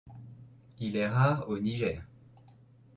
Il est rare au Niger.